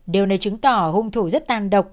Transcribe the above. điều này chứng tỏ hùng thổ rất tan độc